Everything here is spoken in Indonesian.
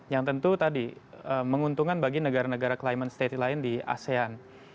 yang tentu tadi menguntungkan bagi negara negara climate state lain di asean